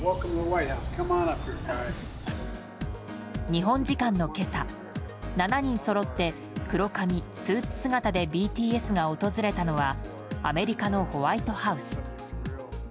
日本時間の今朝７人そろって黒髪スーツ姿でＢＴＳが訪れたのはアメリカのホワイトハウス。